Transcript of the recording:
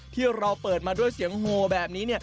ที่เราเปิดมาด้วยเสียงโฮแบบนี้